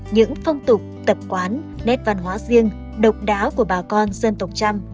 những phong tục tập quán nét văn hóa riêng độc đáo của bà con dân tộc trăm